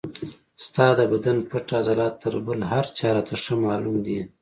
ستا د بدن پټ عضلات تر بل هر چا راته ښه معلوم دي.